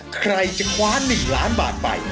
ใครจะคว้า๑ล้านบาทไป